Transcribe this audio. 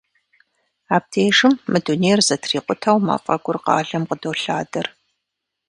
Абдежым мы дунейр зэтрикъутэу мафӏэгур къалэм къыдолъадэр.